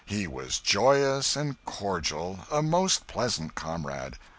He was joyous and cordial, a most pleasant comrade.